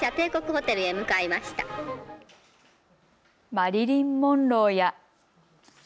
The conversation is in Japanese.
マリリン・モンローや。